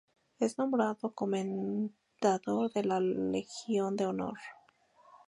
Es nombrado comendador de la Legión de Honor.